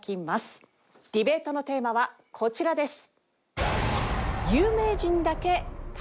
ディベートのテーマはこちらです。